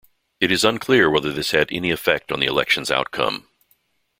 It is unclear whether this had any effect on the election's outcome.